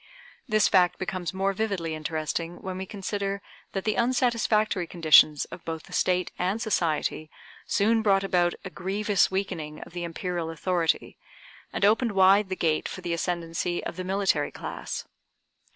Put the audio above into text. This fact becomes more vividly interesting when we consider that the unsatisfactory conditions of both the state and society soon brought about a grievous weakening of the Imperial authority, and opened wide the gate for the ascendency of the military class.